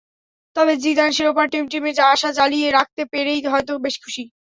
তবে জিদান শিরোপার টিমটিমে আশা জ্বালিয়ে রাখতে পেরেই হয়তো বেশি খুশি।